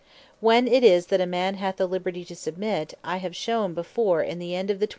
When it is that a man hath the liberty to submit, I have showed before in the end of the 21.